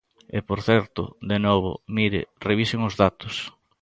E por certo, de novo, mire, revisen os datos.